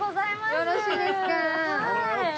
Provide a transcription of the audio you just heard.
よろしいですか。